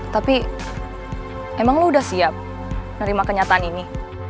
tapi emang lo udah siap menerima kenyataan ini